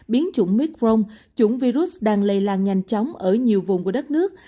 biến chủng mytprong chủng virus đang lây lan nhanh chóng ở nhiều vùng của đất nước